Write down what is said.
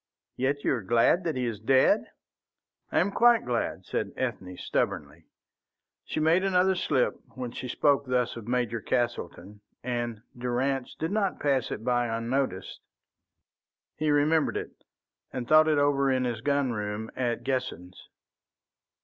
"Yet you are glad that he is dead?" "I am quite glad," said Ethne, stubbornly. She made another slip when she spoke thus of Major Castleton, and Durrance did not pass it by unnoticed. He remembered it, and thought it over in his gun room at Guessens.